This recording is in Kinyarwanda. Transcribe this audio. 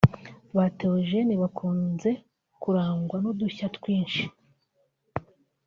Ba Théogène bakunze kurangwa n’udushya twinshi